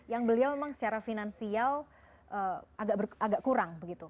yang beliau memang secara finansial agak kurang begitu